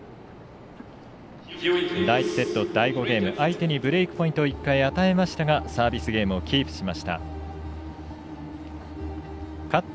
第１セット第５ゲーム相手にブレークポイントを１回与えましたがサービスゲームをキープしました。